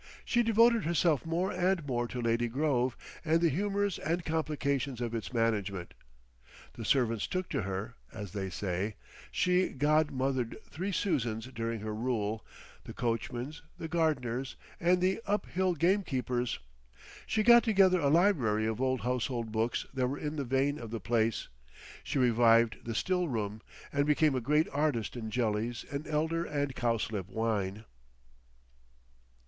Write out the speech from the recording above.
She devoted herself more and more to Lady Grove and the humours and complications of its management. The servants took to her—as they say—she god mothered three Susans during her rule, the coachman's, the gardener's, and the Up Hill gamekeeper's. She got together a library of old household books that were in the vein of the place. She revived the still room, and became a great artist in jellies and elder and cowslip wine.